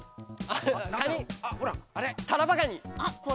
カニタラバガニ！